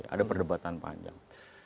ada perdebatan panjang